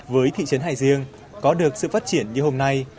với thị trấn hải dương có được sự phát triển như hôm nay